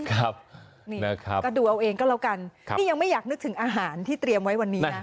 กระดูกเอาเองก็แล้วกันนี่ยังไม่อยากนึกถึงอาหารที่เตรียมไว้วันนี้นะ